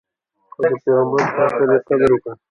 خو د پیغمبر په خاطر یې قدر وکړئ.